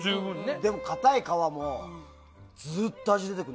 でも、かたい皮もずっと味出てくる。